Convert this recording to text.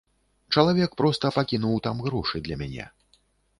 Чалавек проста пакінуў там грошы для мяне.